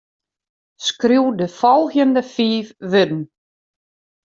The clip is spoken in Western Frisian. Skriuw de folgjende fiif wurden.